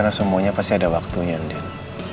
karena semuanya pasti ada waktunya andien